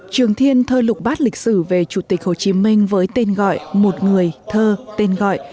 trường thiên thơ lục bát lịch sử về chủ tịch hồ chí minh với tên gọi một người thơ tên gọi